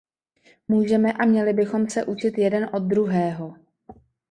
Můžeme a měli bychom se učit jeden od druhého.